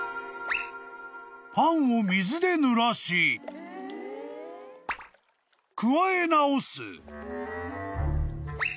［パンを水でぬらしくわえ直す］